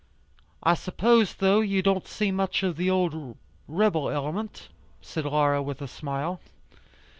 "I suppose, though, you don't see much of the old rebel element?" said Laura with a smile.